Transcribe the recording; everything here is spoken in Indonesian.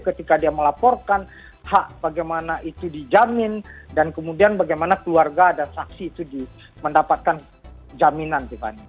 ketika dia melaporkan hak bagaimana itu dijamin dan kemudian bagaimana keluarga dan saksi itu mendapatkan jaminan tiffany